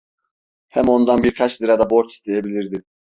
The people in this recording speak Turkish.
Hem ondan birkaç lira da borç isteyebilirdi.